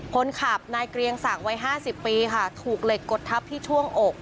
คนขับนายเกรียงศักดิ์วัย๕๐ปีค่ะถูกเหล็กกดทับที่ช่วงอก